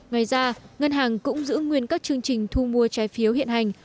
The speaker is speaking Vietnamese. ngoài ra ngân hàng cũng giữ nguyên các chương trình thu mua trái phiếu hiện hành